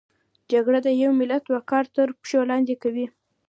جګړه د یو ملت وقار تر پښو لاندې کوي